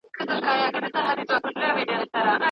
مازیګر خپلې وروستۍ سلګۍ وهي.